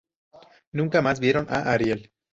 Nunca más vieron a Ariel.